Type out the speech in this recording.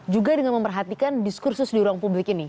juga dengan memperhatikan diskursus di ruang publik ini